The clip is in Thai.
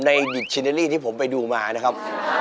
ยิตชิเนอรี่ที่ผมไปดูมานะครับ